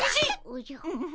おじゃ。